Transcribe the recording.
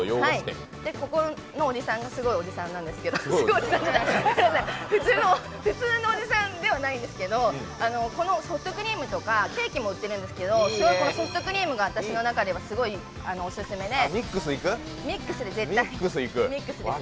ここのおじさんがすごいおじさんなんですけどごめんなさい、普通のおじさんではないんですけど、このソフトクリームとかケーキも売ってるんですけどこのソフトクリームが私の中ではすごいオススメで。